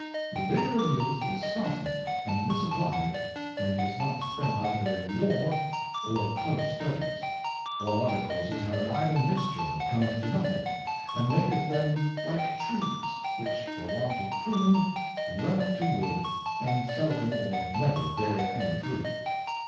The vigour of Youth is soften'd and misapply'd, when it is not spent either in War or close Studies ; all other Courses have an idle Mixture that cometh to nothing, and maketh them like Trees, which for want of Pruning run up to Wood, and seldom or never bear any Fruit.